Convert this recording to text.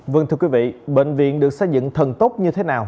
vâng thưa quý vị bệnh viện được xây dựng thần tốc như thế nào